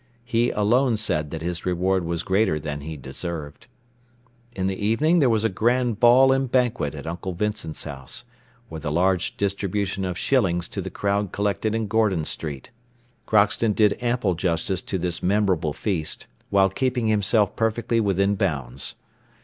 He alone said that his reward was greater than he deserved. In the evening there was a grand ball and banquet at Uncle Vincent's house, with a large distribution of shillings to the crowd collected in Gordon Street. Crockston did ample justice to this memorable feast, while keeping himself perfectly within bounds.